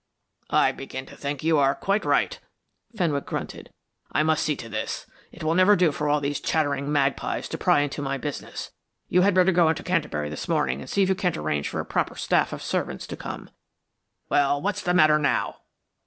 "I begin to think you are quite right," Fenwick grunted. "I must see to this. It will never do for all these chattering magpies to pry into my business. You had better go into Canterbury this morning and see if you can't arrange for a proper staff of servants to come. Well, what's the matter now?"